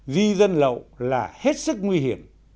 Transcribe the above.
di dân lậu là hết sức nguy hiểm